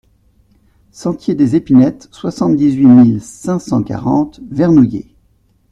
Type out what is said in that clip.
Sentier des Epinettes, soixante-dix-huit mille cinq cent quarante Vernouillet